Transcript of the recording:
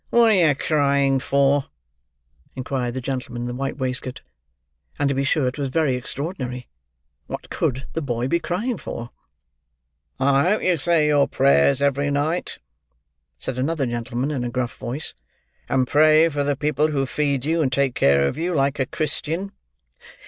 "What are you crying for?" inquired the gentleman in the white waistcoat. And to be sure it was very extraordinary. What could the boy be crying for? "I hope you say your prayers every night," said another gentleman in a gruff voice; "and pray for the people who feed you, and take care of you—like a Christian."